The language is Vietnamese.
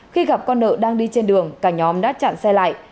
khi gặp con nợ đang đi trên đường cả nhóm đã chặn xe lại